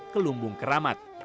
ke lumbung keramat